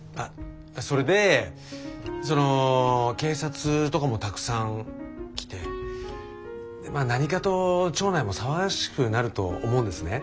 それでその警察とかもたくさん来て何かと町内も騒がしくなると思うんですね。